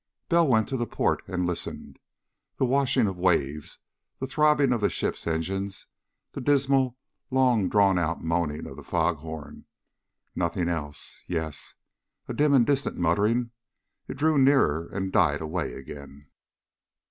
Bell went to the port and listened. The washing of waves. The throbbing of the ship's engines. The dismal, long drawn out moaning of the fog horn. Nothing else.... Yes! A dim and distant muttering. It drew nearer and died away again.